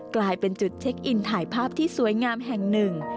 กลายเป็นจุดเช็คอินถ่ายภาพที่สวยงามแห่งหนึ่ง